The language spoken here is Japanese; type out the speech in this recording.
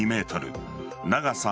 長さ